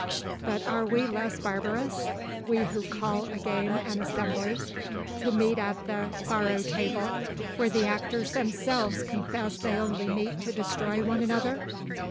But are we less barbarous, we who call a game an assembly who meet at the faro table, where the actors themselves confess they only meet to destroy one another?"